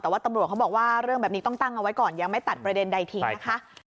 แต่ว่าตำรวจเขาบอกว่าเรื่องแบบนี้ต้องตั้งเอาไว้ก่อนยังไม่ตัดประเด็นใดทิ้งนะคะ